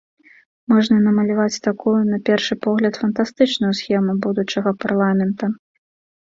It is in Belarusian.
Можна намаляваць такую, на першы погляд, фантастычную схему будучага парламента.